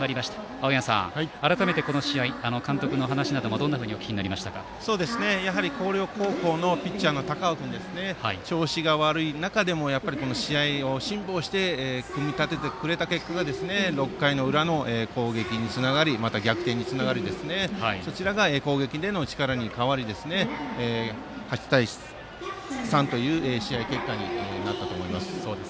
青山さん、改めてこの試合監督の話などもどんなふうにお聞きになりましたか。広陵高校のピッチャーの高尾君が、調子が悪い中でも試合を辛抱して組み立ててくれた結果が６回の裏の攻撃につながりまた逆転につながり攻撃での力に変わり８対３という試合結果になったと思います。